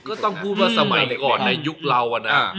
ก็ต้องพูดว่าสมัยก่อนในยุคเราอะนะ